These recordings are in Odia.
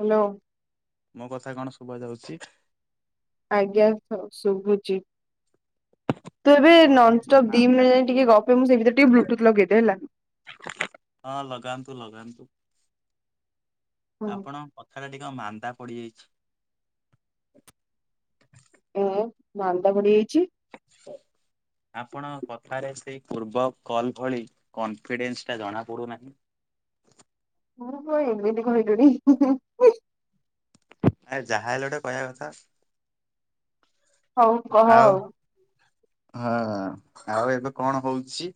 ହାଲୋ। ମୋ କଥା କଣ ଶୁବା ଯାଉଚି। ଆଜ୍ଞା ହଁ ଶୁବୁଚି। ତୁ ଏବେ ଆପଣ କଣ ଏତେ ନନଷ୍ଟପ୍ ଦି ମାନ୍ଦା ମିନିଟ୍ ଯାଏ ଟିକେ ପଡିଯାଇଛନ୍ତି? ଗପେ ମୁଁ ସେ ଭିତରେ ଟିକେ ବ୍ଲୁଟୁଥ୍ ଲଗେଇଦିଏ ହେଲା। ହଁ ଲଗାନ୍ତୁ ଲଗାନ୍ତୁ ଆପଣ କଥାଟା ଟିକେ ଅଁ-ମାନ୍ଦା ପଡିଯାଇଚି। ଏଁ -ମାନ୍ଦା ପଡିଯାଇଚି। ଆଛ ଆପଣଙ୍କ କଥାରେ ସେଇ ପୂର୍ବ କଲ୍ ଭଳି କନଫିଡେନ୍ସ୍ ଟା ଜଣା ପଡୁନାହିଁ। ମୋର କଣ ଏମିତି କହିଲୁଣି- ହିଁ -ହିଁ। ଆରେ ଯାହା ହେଲେ ଗୋଟେ କହିବା କଥା। ହଉ କହ ଆଉ। ହଁ -ଆଉ ଏବେ କଣ ହଉଚି?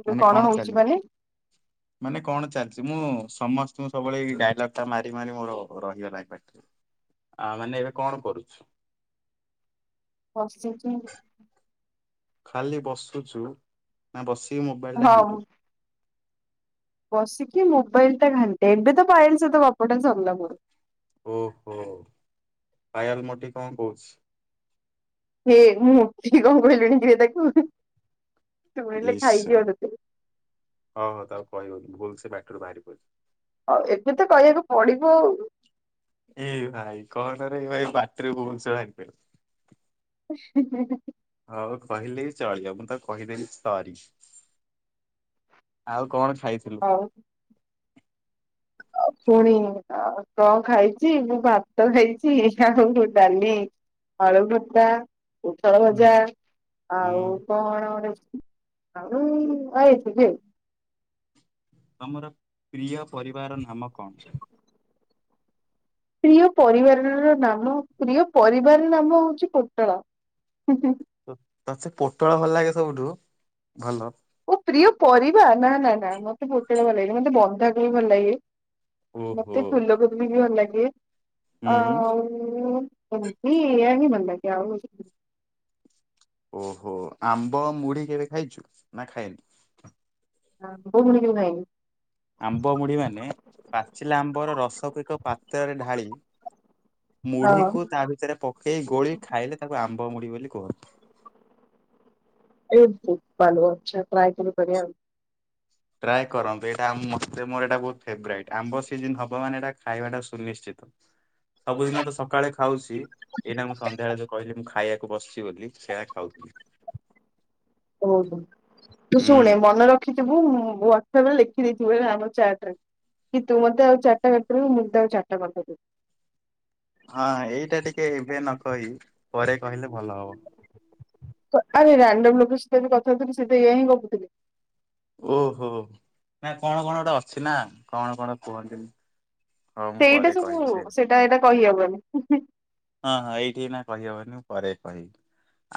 ଏବେ ମାନେ କଣ ହଉଛି ଚାଲିଚି? ମାନେ ମାନେ କଣ ଚାଲିଚି ମୁଁ ସମସ୍ତଙ୍କୁ ସବୁବେଳେ ଏଇ ଡାଇଲଗ୍ ଟା ମାରି ମାରି ମୋର ରହି ଗଲାଣି ପାଟି ଆ -ମାନେ ଏବେ କଣ୍ କରୁଚୁ? ବସିଚି। ଖାଲି ବସୁଚୁ ନା ବସିକି ମୋବାଇଲ୍ ଟା ହଁ ଘାଣ୍ଟୁଚୁ। ବସିକି ମୋବାଇଲ୍ ଟା ଘାଣ୍ଟେ ଏବେ ତ ପାୟଲ୍ ସହିତ ଗପଟା ସରିଲା ମୋର। ଓହୋ ପାାୟଲ୍ ମୋଟି କଣ୍ କହୁଚି? ହେ- ମୋଟି କଣ୍ କହିଲୁଣି କିରେ ତାକୁ। ଇଏ ଶୁଣିଲେ ଶ- ଖାଇଦିଅ ତତେ ହଁ- ହଁ ତାକୁ କହିବୁନି ଭୁଲ୍ ସେ ପାଟିରୁୁ ବାହାରି ପଡିଲା। ଆଉ ଏବେ ତ କହିବାକୁ ପଡିବ ଆଉ। ଏଇ ଭାଇ କହନାରେ ଭାଇ ବାଟରେ। [unintelligible] ହେଁ- ହେଁ। ହଉ କହିଲେ ଚଳିବ ମୁଁ ତାକୁ କହିଦେବି ସରି। ଆଉ କଣ ଖାଇଥିଲୁ? [inaudible] ପୁଣି ଆ-କଣ ଖାଇଚି ମୁଁ ଭାତ ଖାଇଚି ଆଉ ଡାଲି ଆଳୁ ଭର୍ତା, ପୁଟଳ ହୁଁ ଭଜା ହୁଁ ଆଉ କଣ ଗୋଟେ ଆଉ [unintelligible] ତମର ପ୍ରିୟ ପରିବା ର ନାମ କଣ? ପ୍ରିୟ ପରିବା ର ନାମ -ପ୍ରିୟ ପରିବାର ନାମ ହଉଚି ପୋଟଳ। ତତେ ସେ ପୋଟଳ ଭଲ ଲାଗେ ସବୁଠୁ- ଭଲ। ଓ ପ୍ରିୟ ପରିବା ନା- ନା -ନା ମତେ ପୋଟଳ ଭଲ ଲାଗେନି ମତେ ବନ୍ଧାକୋବି ଭଲ୍ ଲାଗେ। ଓହୋ ମତେ ଫୁଲ କୋବି ବି ଭଲଲାଗେ ହୁଁ ଆଉ କହିଲିକି ଏୟା ହିଁ ଭଲ ଲାଗେ ଆଉ ଓହୋ ଆମ୍ବ ମୁଢି କେବେ ଖାଇଚୁ ନା ଖାଇନୁ? ଆମ୍ବ ମୁଢ଼ି କେବେ ଖାଇନି। ଆମ୍ବ ମୁଢି ମାନେ ପାଚିଲା ଆମ୍ବର ରସକୁ ଏକ ପାତ୍ରରେ ଢାଳି ମୁଢିକୁ ତା ଭିତରେ ପକେଇ ଗୋଳି ଖାଇଲେ ତାକୁ ଆମ୍ବ ମୁଢି ବୋଲି କୁହନ୍ତି। ଏ ବୋପାଲୋ ଆଚ୍ଛା ଟ୍ରାଏ କେବେ କରିବା ଆଉ। ଟ୍ରାଏ କରନ୍ତୁ ଏଇଟା ମତେ ମୋର ଏଇଟା ବୋହୁତ୍ ଫେବରାଇଟ୍ ଆମ୍ବ ସିଜିନ୍ ହବ ମାନେ ଏଟା ଖାଇବାଟା ସୁନିଶ୍ଚିତ୍। ସବୁଦିନ ତ ସକାଳେ ଖାଉଚି ଏଟା ମୁଁ ସନ୍ଧ୍ୟାବେଳେ ଯଉ କହିଲି ମୁଁ ଖାଇବାକୁ ବସିଚି ବୋଲି ସେଇଆ ଖାଉଥିଲି। ଓହୋ ତୁ ହୁଁ ଶୁଣେ ମନେ ର ଖିଥିବୁ ମୋ ୱାଟସ୍ଆପ୍ ରେ ଲେଖିଦେଇଥିବୁ ହେଲା ଆମ ଚାଟ୍ ରେ। କି ତୁ ମତେ ଆଉ ଚାରିଟା କରିଦବୁ ମୁଁ ଆଉ ତତେ ଚାରଟା କରିଦେବି। ହଁ ଏଇଟା ଟିକେ ଏବେ ନ କହି ପରେ କହିଲେ ଭଲ ହବ। ତ-ଆରେ ରାଣ୍ଡମ୍ ଲୋକ ସହିତ ମୁଁ କଥା ହଉଥିଲି ସେ ତ ଏୟା ହିଁ ଗପୁଥିଲେ। ଓହୋ ନା କଣ କଣ ଗୋଟେ ଅଛି ନା କଣ କଣ କୁହନ୍ତିନି। ସେଇଟା ସବୁ ସେଇଟା ଏଇଟା କହିହବନି। ହଁ ହଁ ଏଇଠି ନା କହିହବନି ମୁଁ ପରେ କହିବି।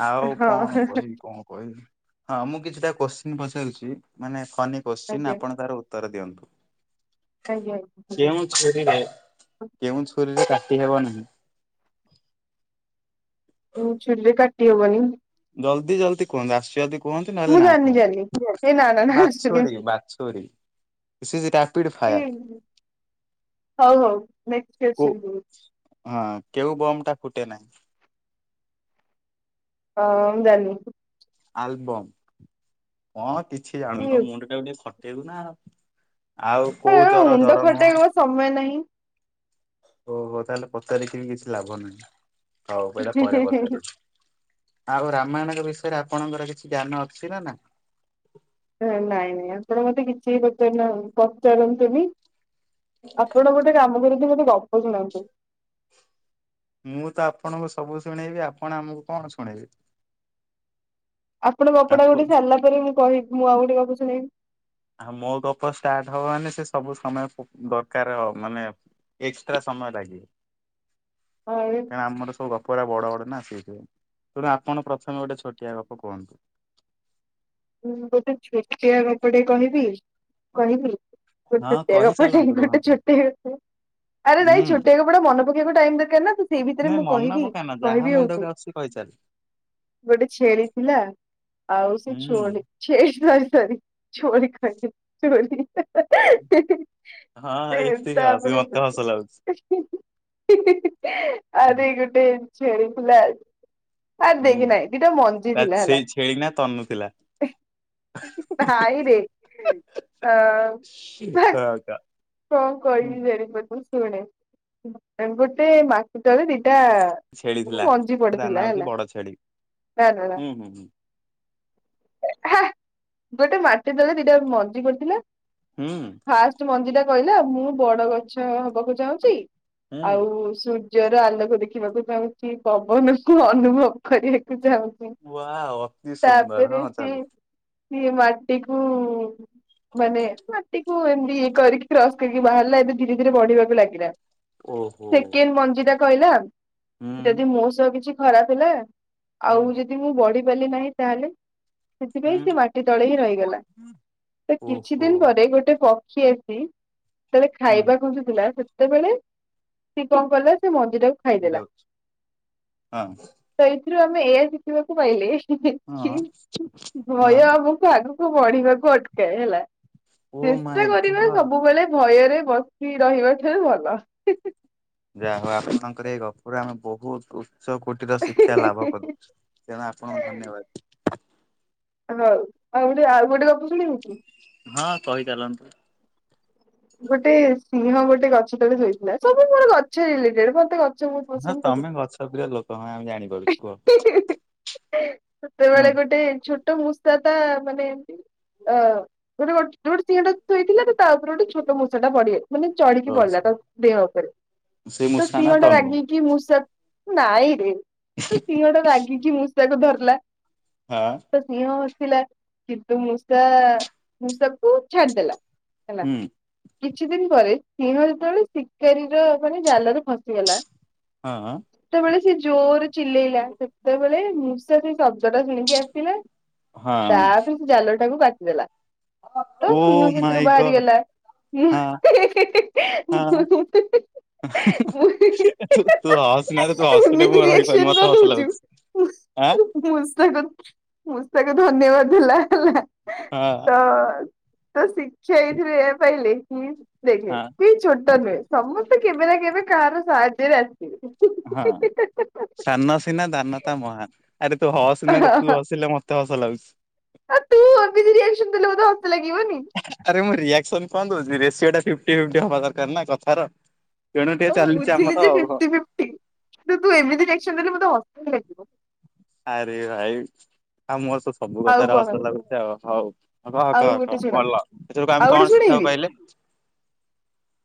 ଆଉ ହଁ କଣ କହିବି କଣ କହିବି ହଁ ମୁଁ କିଛିଟା କୋଶ୍ଚିନ୍ ପଚାରୁଛି ମାନେ ଫନ କୋଶ୍ଚିନ୍ ଆଜ୍ଞା ଆଜ୍ଞା ଆପଣ ତାର ଉତ୍ତର ଦିଅନ୍ତୁ। ଆଜ୍ଞା ଆଜ୍ଞା। କେଉଁ ଛୁରୀରେ କେଉଁ ଛୁରୀରେ କାଟି ହେବ ନାହିଁ। ହୁଁ ଚୁଲେ କାଟି ହବନି। ଜଲ୍ଦି ଜଲ୍ଦି କହନ୍ତୁ ଆସୁଛି ଯଦି। କୁହନ୍ତୁ ନହେଲେ ମୁଁ ନା ଜାଣିନି ଜାଣିନି କୁହ ଏ ନା ନା ନା ଆସୁନି ବାଛୁରୀ ଆସୁନି ବାଛୁରୀ ସେ ଇସ ରାପିଡ ହଉ ହଉ କୋ କ୍ୱେସ୍ଚନ୍ କୁହ ହଁ କେଉ ବମ୍ ଟା ଫୁଟେ ନା? ହଁ ମୁଁ ଜାଣିନି। ଆଲୁବମ୍ ହଁ କିଛି ଜାଣୁନ ମୁଣ୍ଡ ଟାକୁ ଟିକେ ଖ ଟେ ଇବୁନା ଆଉ ହେ କୋଉ ଏଗୁଡା ଜର ମୁଣ୍ଡ ଜର ନୁହଁ ଖଟେଇକୁ ପରା ସମୟ ନାହିଁ। ଓହୋ ତାହେଲେ ପଚାରିକି ବି କିଛି ଲାଭ ନାହିଁ ହଉ ଏଇଟା ପରେ ନାହିଁ ପଚାରୁଛି। ଆଉ ରାମାୟଣଙ୍କ ବିଷୟରେ ଆପଣଙ୍କର କିଛି ଜ୍ଞାନ ଅଛି ନା ନାହିଁ? ନାଇଁ ନାଇଁ ଆପଣ ମତେ କିଛି ପଚାରୁ ନାହୁ ପଚାରୁନ୍ତୁନି। ଆପଣ ଗୋଟେ କାମ କରିକି ମତେ ଗପ ଶୁଣାନ୍ତୁ। ମୁଁ ତ ଆପଣଙ୍କୁ ସବୁ ଶୁଣେଇବି ଆପଣ ଆମକୁ କଣ ଶୁଣେଇବେ? ଆପଣଙ୍କ ଗପଟା ଆପ ଗୋଟେ ସାରିଲା ପରେ ମୁଁ କିବି ମୁଁ ଆଉ ଗୋତେ କକୁ ଶୁଣିବି ଆଉ ମୋ ଗପ ଷ୍ଟାର୍ଟ ହବ ମାନେ ସେ ସବୁ ସମୟ ଦରକାର ମାନେ ଏକ୍ସଟ୍ରା ସମୟ ଲାଗିବ। କଣ କହିବି? କାହିଁନା ଆମର ସବୁ ଗପ ଗୁଡା ବଡ ବଡ ସେଇଥିପାଇଁ ତେଣୁ ଆପଣ ପ୍ରଥମେ ଗୋଟେ ଛୋଟିଆ ଗପ କୁହନ୍ତୁ ମୁଁ ଗୋଟେ ଛୋଟିଆ କପଟେ କହିବି କହିବି? ଗୋଟିଏ ହଁ ଛୋଟିଆ ଗପତେ କହିଚାଲନ୍ତୁ ଗୋଟେ ରୁହନ୍ତୁନି। ଛୋଟିଆ ଗପ ଆରେ ନାଇଁ ହୁଁ ଛୋଟିଆ ଗୋଟେ ମନେ ପକେଇବାକୁ ଟାଇମ ଦରକାର ନା ତ ସେଇ ଭିତରେ ନାଇଁ ମୁଁ ମନ କହିବି ପକାନା ଯାହା କହିବି ମୁଣ୍ଡକୁ ହଉଚି। ଆସୁଛି କହିଚାଲ। ଗୋଟେ ଛେଳି ଥିଲା ଆଉ ସେ ହୁଁ ଛୁଆ ଛେଳି ସରି ସାର ଚୋରି କହିଦେଲି ଚୋରି। ହିଁ ହିଁ ହଁ ସେ ଏତିକି ହସ ତାପରେ ମତେ ହିଁ ହସ ଲାଗୁଛି। ହିଁ। ହିଁ ହିଁ ହିଁ ଆରେ ଗୋ ଗୋଟେ ଛେଳିଥିଲା ଆ ହୁଁ ଦେଖି ନାଇଁ ଦିଟା ମଞ୍ଜି ତା ଥିଲା ହେଲା। ସେଇ ଛେଳି ନା ତନୁ ଥିଲା। ନାଇରେ ଆ ହଁ କା କଣ ହୁଁ କହିବି ଜାଣିପାରୁନି ଶୁଣେ ଗୋଟେ ମା ଦିଟା ଛେଳି ଥିଲା ମଞ୍ଜି ତା ନାଁ ପଡିଥିଲା ହଉଛି ହେଲା ବଡ ଛେଳି। ନା ନା ନା ହୁଁ ହୁଁ ହେ ଗୋଟେ ମାଟି ତଳେ ଦିଟା ମଞ୍ଜି ପଡ଼ିଥିଲା ହୁଁ ଫାଷ୍ଟ ମଞ୍ଜି ଟା କହିଲା ମୁଁ ବଡ ଗଛ ହବାକୁ ଚାହୁଁଛି ହୁଁ ଆଉ ଶୁ ଜର ଆଲୋକ ଦେଖିବାକୁ ଚାହୁଁଛି ପବନକୁ ଅନୁଭବ କରିବାକୁ ଚାହୁଁଛି ହୁଁ ୱାଓ ଅତି ସୁନ୍ଦର ତାପରେ ହଁ ସେ ଚାଲ। ସଏ ମାଟି କୁ ମାନେ ମାଟିକୁ ଏମିତି ଇଏ କରିକି କ୍ରସ କରିକି ବାହାରିଲା ଏବେ ଧୀରେ ଧୀରେ ବଢିବାକୁ ଲାଗିଲା ଓହୋ ସେକଣ୍ଡ ମଞ୍ଜି ଟା କହିଲା ହୁଁ ଯଦି ମୋ ସହ କିଛି ଖରାପ ହେଲା ହୁଁ ଆଉ ଯଦି ମୁଁ ବଢି ପାରିଲି ନାହିଁ ତାହେଲେ ସେଥିପାଇଁ ହୁଁ ସେ ମାଟି ତଳେ ହିଁ ରହିଗଲା ତ କିଛି ଓହୋ ଦିନ ପରେ ଗୋଟେ ପକ୍ଷୀ ଆସି ଯେତେବେଳେ ହୁଁ ଖାଇବାକୁ ଥିଲା ସେତେବେଳେ ସିଏ କଣ କଲା ସେ ମଞ୍ଜି ଟା କୁ ଯାଉଛି ହଁ ତ ଏଇଥିରୁ ଆମେ ଏ ଶିଖିବାକୁ ପାଇଲେ କି ହଁ ଭୟ ହଁ ଆବ ଆଗକୁ ବଢିବାକୁ ଅଟକାଏ ହେଲା ଓ ଚେଷ୍ଟା ମାଇଁ କରିବା ଗଡ୍ ସବୁ ସବୁବେଳେ ଭୟରେ ବସି ରହିବା ଠାରୁ ଭଲ। ଯାହା ହଉ ଆପଣଙ୍କର ଏଇ ଗପରୁ ଆମେ ବହୁତ ଉଚ୍ଚ କ ଶିକ୍ଷା ଲାଭ କର ତେଣୁ ଆପଣଙ୍କୁ ଧନ୍ୟବାଦ। ହଉ ଆଉ ଗୋଟେ ଆଉ ଗୋଟେ ଗପ ଶୁଣିବୁ କି? ହଁ କହି ଚାଲନ୍ତୁ। ଗୋଟେ ସିଂହ ଗୋଟେ ଗଛ ତଳେ ଶୋଇଥିଲା ସବୁ ମୋର ଗଛରିଲେଟେଡ ମତେ ଗ ହଁ ପସନ୍ଦ ତମେ କର। ଗଛ ପ୍ରିୟ ଲୋକ ହଁ ଆମେ ଜାଣିପାରୁଛୁ କୁହ [unintelligible] ସେତେବେଳେ ହୁଁ ଗୋଟେ ଛୋଟ ମୂଷା ତା ମାନେ ଏମତି ଅ ଗୋଟେ ଗୋଟେ ସିଂହ ତା ଶୋଇଥିଲା ତା ଉପରେ ଗୋଟେ ଛୋଟ ମୂଷା ଟା ପଡ଼ିଗ ମାନେ ଚଢିକି ବଡିଲା ତ ଦେହ ଉପରେ ସେ ତ ମୂଷା ନା ସିଂହଟା ତନୁ? ରାଗିକି ମୁଁଷ ନାଇଁରେ ସିଂହଟା ରାଗିକି ମୂଷାକୁ ଧରିଲା। ହଁ ତ ସିଂହ ବସିଥିଲା କିନ୍ତୁ ମୂଷା ମୂଷାକୁ ଛାଡିଦେଲା। ହେଲା। ହୁଁ କିଛି ଦିନ ପରେ ସିଂହ ଯେତେବେଳେ ଶିକାରୀର ମାନେ ଜାଲରେ ଫସିଗଲା। ହଁ ହ ଯେତେବେଳେ ସେ ଜୋରରେ ଚିଲେଇଲା ସେତେବେଳେ ମୂଷା ସେ ଶବ୍ଦ ଟା ଶୁଣିକି ଆସିଲା। ହଁ ତାପରେ ସେ ଜାଲ ଟାକୁ କାଟିଦେଲା ତ ଓ ସିଂହ ମାଇଁ ସେଥିରୁ ଗଡ୍ ବାହାରିଗଲା। ହଁ [unintelligible] ହଁ [inaudible] [inaudible] ତୁ ହସନାରେ ତୁ ହସିଲେ ଏମିତି ମୁଁ ରିଆକ୍ସନ ରହିପାରୁନି ମତେ କଣ ହସ ଦଉଛୁ? ଲାଗୁଛି। ଆଁ ମୂଷାକୁ ମୂଷାକୁ ଧନ୍ୟବାଦ ଦେଲା ହେଲା। ହଁ ହ ତ ଶିକ୍ଷା ଏଇଥିରେ ପାଇଲେେ କି ଦେଖେ ହଁ। କି ଛୋଟ ନୁହେଁ। ସମସ୍ତେ କେବେ ନା କେବେ କାହାର ସାହାଯ୍ୟରେ ଆସିବେ। ହଁ ସାନ ସିନା ଦାନତା ମହାନ ଆରେ ତୁ ହସନା ତୁ ହସିଲେ ମତେ। ଏତେ ହସ ଲାଗୁଛି। ଆଉ ତୁ ଏମିତି ରିଏକ୍ସନ ଦେଲେ ମୋତେ ହସ ଲାଗିବନି। ଆରେ ମୁଁ ରିଆକ୍ସନ କଣ ଦଉଛି ରେସିଓ ଟା ଫିଫଟି ଫିଟି ହବା ଦରକାର ନା କଥାର। ତେଣୁ ଟିକେ ଚାଲିଛି ଆମର ତ ଆଉ ହଁ। ଠିକ୍ କିନ୍ତୁ ଏମିତି ରିଆକ୍ସନ ଦେଲେ ମତେ ହସଲାଗିବ। ଆରେ ଭାଇ [inaudible] ଆମର ସସ୍ ସବୁ ଆଉ କଥାରେ କଣ ହସ ଲାଗୁଛି ଆଉ। ହଉ କହ କହ ଆଉ ଗୋଟେ କହ ଶୁଣ ଭଲ ଏଥିରକୁ ଆଉ ଆମେ ଗୋଟେ କଣ ଶିଖିବାକୁ ଶୁଣେଇବି ପାଇଲେ? [inaudible]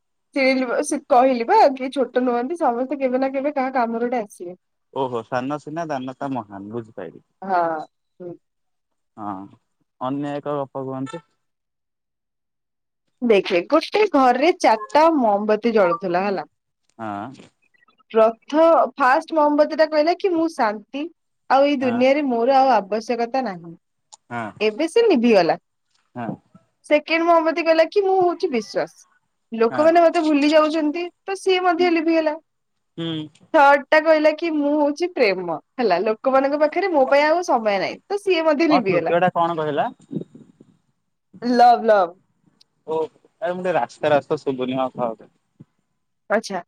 କହିଲି ବା କିଏ ଛୋଟ ନୁହନ୍ତି। ସମସ୍ତେ କେବେ ନା କେବେ କାହା କାମରେ ଗୋଟେ ଆସିବେ। ଓହୋ! ସାନ ସିନା ଦାନତା ମହାନ ବୁଝି ପାଇଲି। ହଁ। ହଁ। ଅନ୍ୟ ଏକ ଗପ କୁହନ୍ତୁ। ଦେଖେ ଗୋଟେ ଘରେ ଚାରିଟା ମହୋମବତୀ ଜଳୁଥିଲା ହେଲା। ହଁ ପ୍ରଥ ଫାଷ୍ଟ ମୋହମବତୀ ଟା କହିଲା କି ମୁଁ ଶାନ୍ତି ଆଉ ଏଇ ହଁ ଦୁନିଆରେ ମୋର ଆଉ ଆବଶ୍ୟକତା ନାହିଁ। ହଁ ଏବେ ସେ ଲଭିଗଲା ହଁ ସେକେଣ୍ଡ ମହମବତି କହିଲା କି? କି ମୁଁ ହେଉଛି ବିଶ୍ଵାସ। ଲୋକମାନେ ହଁ। ମତେ ଭୁଲି ଯାଉଛନ୍ତି। ତ ସିଏ ମଧ୍ୟ ଲିଭିିଗଲା। ହୁଁ। ଟା କହିଲା କି ମୁଁ ହଉଛି ପ୍ରେମ। ହେଲା ଲୋକମାନଙ୍କ ପାଖରେ ମୋ ପାଇଁ ଆଉ ସମୟ ନାହିଁ। ତ ସିଏ ମଧ୍ୟ ମୋ ନିଭିିଗଲା। ତୃତୀୟ ଟା କଣ କହିଲା ଲଭ ଲଭ। ଓ ଏ ମୁଟେ ରାସ୍ତା ରେ ଅଛି ତ ଶୁବୁନି ହଁ କହ। ଆଚ୍ଛା!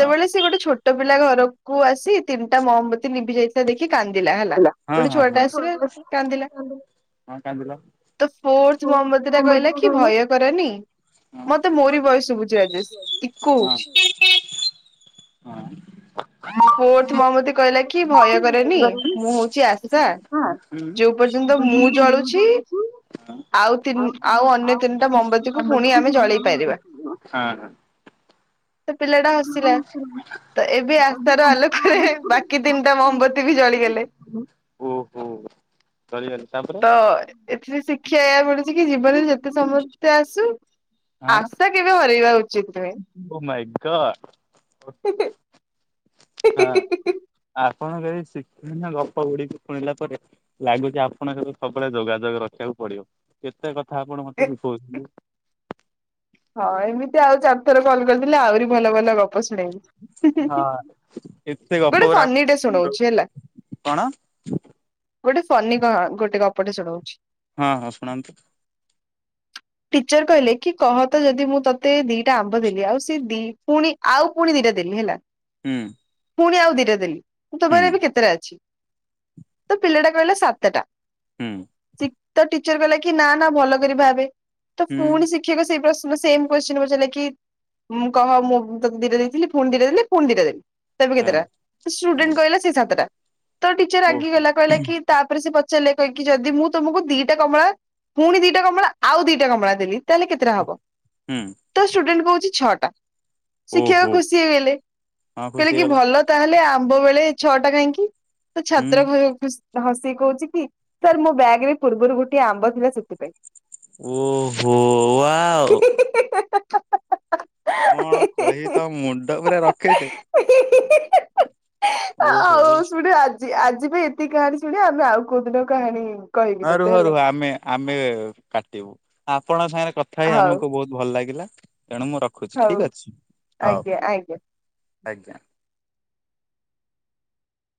ହଁ। ସେ ଗୋଟେ ଛୋଟ ପିଲା ଘରକୁ ଆସି ତିନିଟା ମହମବତୀ ଲିଭି ଯାଇ ସେ ଦେଖି କାନ୍ଦିଲା ହେଲା। ହଁ ଗୋଟେ ହଁ ଛୁଆ ହଁ। ଟା ଆସିଲା କାନ୍ଦିଲା। ହଁ କାନ୍ଦିଲ। ତ ଫୋର୍ଥ ହଁ ହଁ ମହମବତୀ ଟା କହିଲା କି ହଁ। ହୁଁ। ଭୟ କରନି। ମତେ ମୋରି ବୟସ ବୁଝି [unintelligible] ଆଜେଶ। ହଁ [inaudible] ଫୋର୍ଥ ମହମବତୀ କହିଲା କି ଭୟ ମେମ୍ବରଟାକୁ କରନି। ମୁଁ ହେଉଛି ଆସ ସାର୍। ହଁ। ହୁଁ [unintelligible] ଆଉ ତିନି ଆଉ ଅନ୍ୟ ତିନିଟା ମହମବତୀକୁ ପୁଣି ଆମେ ଜଳେଇ ପାରିବା। ଉ ହଁ ହଁ। ତ ପିଲା [unintelligible] ଟା ଅ ଓହୋ ହସିଲା ତ ଏବେ ଆସ୍ଥାର ଆଲୋକରେ ବାକି ତିନିଟା ମହମବତୀ ବି ଜଳିଗଲେ। ହୋ ହୋ ଡରିଗଲି ତାପରେ ତ ଏଥିରେ ଶିକ୍ଷା ୟା ହଁ ମିଲୁଛି କି। ଜୀବନରେ ଯେତେ ସମସ୍ୟା ଆସୁ ଆଁ ଆଶା କେବେ ହରାଇବା ଉଚିତ ନୁହେ? ଓ ମାଇଁ ଗଡ୍ [inaudible] ଆଁ [inaudible] ଆଁ। ଆପଣଙ୍କ ଏଇ ଶିକ୍ଷଣ ଗପ ଗୁଡିକୁ ଶୁଣିଲା ପରେ। ଲା ଲାଗୁଛି ଆପଣଙ୍କ ସହ ସବୁବେଳେ ଯୋଗାଯୋଗ ରଖିବାକୁ ପଡିବ। କେତେ କଥା ଆପଣ ମତେ ଶିଖଉଛନ୍ତି। ହଁ ଏମିତି ଆଉ ଚାରିଥର କଲ୍ କରିଥିଲେ ଆହୁରି ଭଲ ଭଲ ଗପ ହଁ ଶୁଣେଇଲୁ। ହିଁ ହିଁ ହଁ ହିଁ ଏତେ [inaudible] ଗପ ଗୋଟେ ଗୁରା ଆପଣଙ୍କ ଫନିଟେ ମୁଣ୍ଡ ଶୁଣାଉଛି ହେଲା। କଣ? ଗୋଟେ ଫନି କହ? ଗୋଟେ ଗପଟେ ଶୁଣଉଛି। ହଁ ହଁ ଶୁଣାନ୍ତୁ। ଟିଚର କହିଲେ କି କହ ତ ଯଦି ମୁଁ ତତେ ଦିଟା ଆମ୍ବ ଦେଲି। ଆଉ ସେ ଦି ପୁଣି ଆଉ ପୁଣି ଦିଟା ଦେଲି ହେଲା। ହୁଁ। ପୁଣି ଆଉ ଦିଟା ଦେଲି। ମୁଁ ତୋ ହୁଁ ପାଖରେ ଏବେ କେତେଟା ଅଛି? [inaudible] ତ ପିଲାଟା କହିଲା ସାତଟା। ହୁଁ। ତ ଟିଚର କହିଲା କି ନା ନା ଭଲ କରି ଭାବେ। ତ ହୁଁ ପୁଣି ଶିକ୍ଷକ ସେଇ ପ୍ରଶ୍ନ ମୁଁ ସେମ କୁଇଶ୍ଚେନ୍ ପଚାରିଲେ କି। କହ ମୁଁ ତତେ ଦିଟା ଦେଇଥିଲି ପୁଣି ଦିଟା ଦେଲି ପୁଣି ଦିଟା ଦେଲି ତେବେ ହଁ କେତେଟା ହଁ ଷ୍ଟୁଡେଣ୍ଟ କହିଲା ସେଇ ସାତଟା। ତ ଟିଚର ଓହୋ ରାଗିଗଲା କହିଲା କି ତାପରେ ସେ ପଚାରିଲେ? କହିଲେକି ଯଦି ମୁଁ ତମକୁ ଦିଟା କମଳା ପୁଣି ଦିଟା କମଳା ଆଉ ଦିଟା କମଳା ଦେଲି ତାହେଲେ କେତେଟା ହବ? ହୁଁ। ତ ଷ୍ଟୁଡେଣ୍ଟ କହୁଛି ଛଅଟା ଶିକ୍ଷକ ଓହୋ ଖୁସି ହେଇଗଲେ ହଁ କହିଲେ ଖୁସି କି ହେଇଗଲା ଭଲ ତାହେଲେ ଆମ୍ବ ବେଳେ ଛଅଟା କାହିଁକି ତ ହୁଁ ଛାତ୍ର ଘର ଖୁସି ହସିକି କହୁଛି କି ସାର୍ ମୋ ବ୍ୟାଗ ରେ ପୂର୍ବରୁ ଗୋଟିଏ ଆମ୍ବ ଥିଲା ସେଥିପାଇଁ। ଓହୋ ୱାଓ! ହିଁ ହିଁ ହିଁ ହାଁ ହାଁ ହାଁ ହାଁ ହାଁ କଣ କହିବି ତମ ମୁଣ୍ଡ ପୁରା ରକେଟେ। ହିଁ ହିଁ ହିଁ ଆଉ ଓହୋ। ଶୁଣିବ ଆଜି ଆଜି ପାଇଁ ଏତିକି କାହାଣୀ ଶୁଣିବ ନା ଆଉ କୋଉ ଦିନ କାହାଣୀ ହେବ ହଁ ରୁହ ରୁହ ଆମେ ଆମେ କାଟିବୁ ଆପଣଙ୍କ ସାଙ୍ଗରେ କଥା ହେଇ ହଉ ଆମକୁ ବହୁତ ଭଲ ଲାଗିଲା ତେଣୁ ମୁଁ ରଖୁଛି ହଉ ଠିକ ଅଛି ଆଜ୍ଞା ହଉ ଆଜ୍ଞା। ଆଜ୍ଞା।